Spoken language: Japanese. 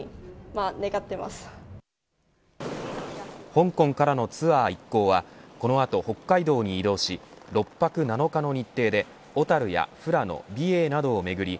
香港からのツアー一行はこの後、北海道に移動し６泊７日の日程で小樽や富良野、美瑛などを巡り